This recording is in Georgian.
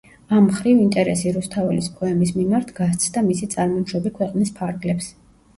ამ მხრივ, ინტერესი რუსთაველის პოემის მიმართ გასცდა მისი წარმომშობი ქვეყნის ფარგლებს.